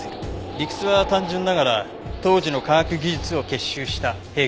理屈は単純ながら当時の科学技術を結集した兵器です。